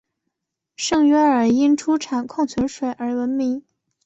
圣约尔因出产矿泉水而闻名。